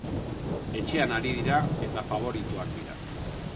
Etxean ari dira eta faboritoak dira.